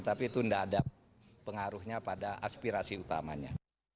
tapi itu tidak ada pengaruhnya pada aspirasi utamanya